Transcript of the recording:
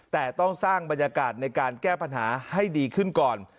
แต่ต้องสร้างบรรยากาศในการแก้ปัญหาให้ดีขึ้นก่อน